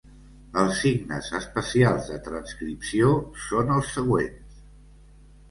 Els signes especials de transcripció són els següents.